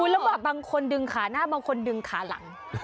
แล้วแบบบางคนดึงขาหน้าบางคนดึงขาหลัง